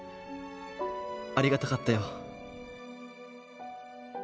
ありがたかったよ。